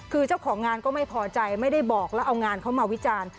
คือเจ้าของงานก็ไม่พอใจไม่ได้บอกแล้วเอางานเข้ามาวิจารณ์